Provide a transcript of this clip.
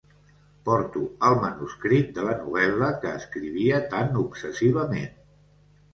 Porto el manuscrit de la novel·la que escrivia tan obsessivament.